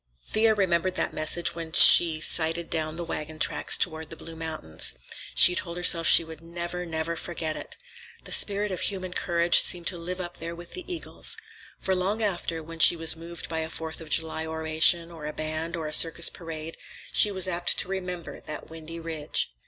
Thea remembered that message when she sighted down the wagon tracks toward the blue mountains. She told herself she would never, never forget it. The spirit of human courage seemed to live up there with the eagles. For long after, when she was moved by a Fourth of July oration, or a band, or a circus parade, she was apt to remember that windy ridge.